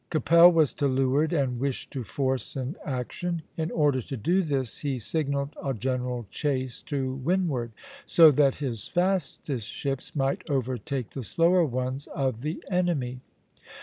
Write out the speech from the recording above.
Keppel was to leeward and wished to force an action; in order to do this he signalled a general chase to windward, so that his fastest ships might overtake the slower ones of the enemy.